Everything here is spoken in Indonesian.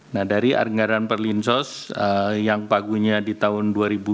nah dari anggaran perlinsos yang pagunya di tahun dua ribu dua puluh